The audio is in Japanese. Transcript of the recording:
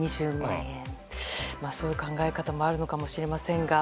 そういう考え方もあるのかもしれませんが。